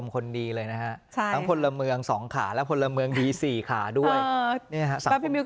คนดีเลยนะฮะใช่ตั้งคนละเมืองสองขาและคนละเมืองดีสี่ขาด้วยเนี่ยฮะ